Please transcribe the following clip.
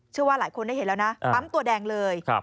เชื่อว่าหลายคนได้เห็นแล้วนะปั๊มตัวแดงเลย